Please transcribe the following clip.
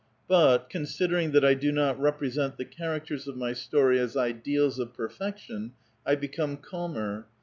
But, considering that I do not represent the characters of mj story as ideals of perfection, 1 become calmer.